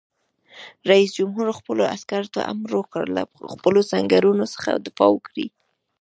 رئیس جمهور خپلو عسکرو ته امر وکړ؛ له خپلو سنگرونو څخه دفاع وکړئ!